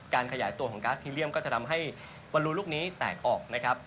ขยายตัวของก๊าซทีเรียมก็จะทำให้บอลลูลูกนี้แตกออกนะครับ